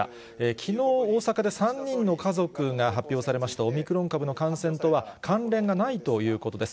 きのう、大阪で３人の家族が発表されましたオミクロン株の感染とは関連がないということです。